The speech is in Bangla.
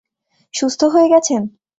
সুস্থ হয়ে গেছেন?